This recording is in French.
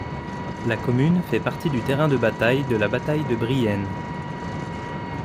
La commune fait partie du terrain de bataille de la bataille de Brienne.